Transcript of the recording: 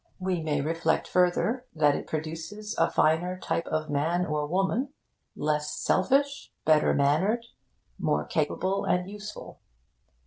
We may reflect, further, that it produces a finer type of man or woman, less selfish, better mannered, more capable and useful.